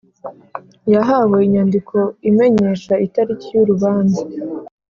Yahawe inyandiko imenyesha itariki y’urubanza